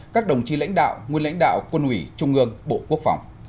các đồng chí lãnh đạo nguyên lãnh đạo quân ủy trung ương bộ quốc phòng